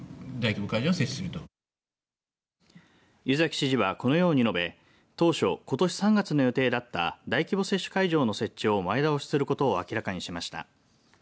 湯崎知事は、このように述べ当初、ことし３月の予定だった大規模接種会場の設置を前倒しすることを明らかにしました。